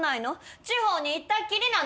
地方に行ったっきりなの？